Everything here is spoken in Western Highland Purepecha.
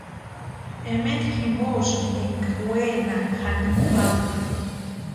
Ementa jimposïni énka wenakʼa janikwa jamani.